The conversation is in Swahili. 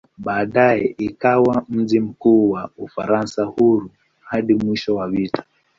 Baadaye ikawa mji mkuu wa "Ufaransa Huru" hadi mwisho wa vita.